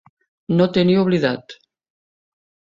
No tenir oblidat.